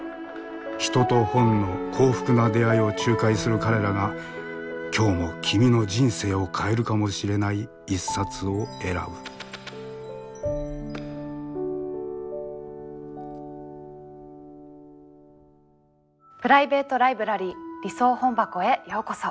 人と本の幸福な出会いを仲介する彼らが今日も君の人生を変えるかもしれない一冊を選ぶプライベート・ライブラリー理想本箱へようこそ。